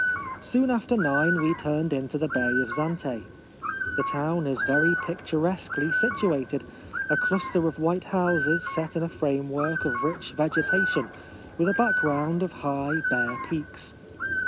Soon after nine we turned into the bay of Zante. The town is very picturesquely situated — a cluster of white houses set in a framework of rich vegetation, with a background of high bare peaks.